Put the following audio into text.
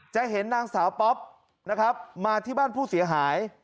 จะเห็นนางสาวป๊อปนะครับมาที่บ้านผู้เสียหาย